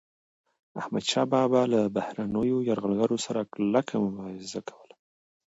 احمدشاه بابا به له بهرنيو یرغلګرو سره کلکه مبارزه کوله.